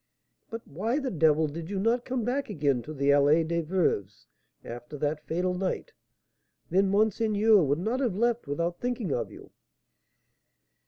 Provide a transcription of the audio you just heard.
"But why the devil did you not come back again to the Allée des Veuves after that fatal night? Then monseigneur would not have left without thinking of you."